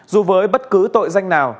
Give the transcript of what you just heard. dù với bất cứ tội danh nào